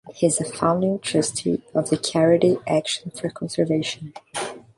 He is a founding Trustee of the charity Action For Conservation.